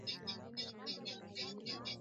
Amesoma na atapita mitihani yake